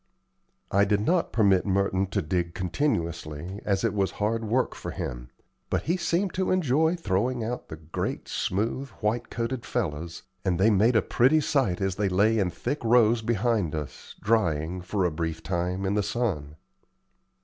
I did not permit Merton to dig continuously, as it was hard work for him; but he seemed to enjoy throwing out the great, smooth, white coated fellows, and they made a pretty sight as they lay in thick rows behind us, drying, for a brief time, in the sun.